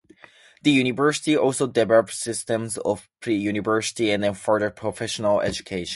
The University also developed systems of pre-university and further professional education.